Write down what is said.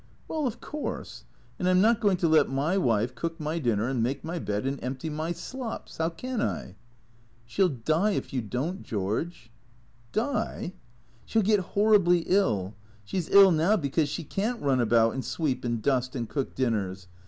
" Well — of course. And I 'm not going to let my wife cook my dinner and make my bed and empty my slops. How can I?" " She '11 die if you don't, George," "Die?" " She '11 get horribly ill. She 's ill now because she can't run about and sweep and dust and cook dinners.